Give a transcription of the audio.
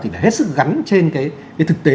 thì phải hết sức gắn trên cái thực tế